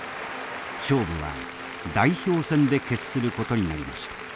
勝負は代表戦で決することになりました。